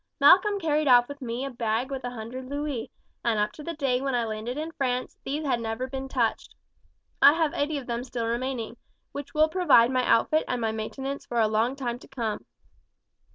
Malcolm carried off with me a bag with a hundred louis, and up to the day when I landed in France these had never been touched. I have eighty of them still remaining, which will provide my outfit and my maintenance for a long time to come."